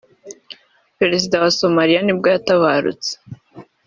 perezida wa Somalia nibwo yatabarutse